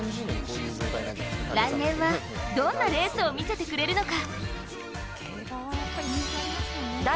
来年はどんなレースを見せてくれるのか。